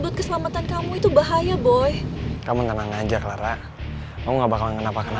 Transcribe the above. dia tuh emang jago banget